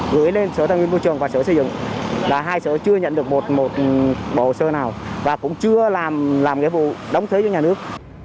gửi lên sở tài nguyên môi trường và sở xây dựng là hai sở chưa nhận được một bộ sơ nào và cũng chưa làm nghĩa vụ đóng thuế cho nhà nước